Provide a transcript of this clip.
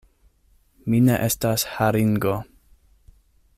Mi ne estas haringo!